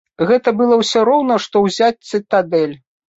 Гэта было ўсё роўна што ўзяць цытадэль.